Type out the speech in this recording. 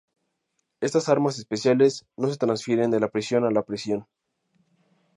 Estas armas especiales no se transfieren de la prisión a la prisión.